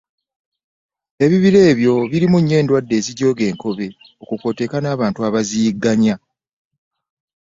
Ebibira ebyo birimu nnyo endwadde ezijooga enkobe, okwo kw’oteeka n’abantu abaziyigganya.